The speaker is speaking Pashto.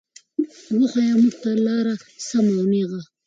وښايه مونږ ته لاره سمه او نېغه